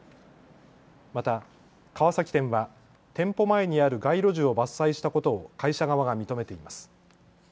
また川崎店は店舗前にある街路樹を伐採したことを会社側が認めています。